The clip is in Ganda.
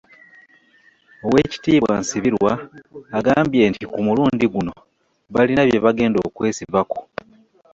Oweekitiibwa Nsibirwa agambye nti ku mulundi guno balina bye bagenda okwesibako